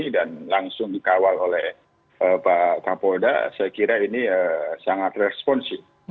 dan langsung dikawal oleh pak kapolda saya kira ini sangat responsif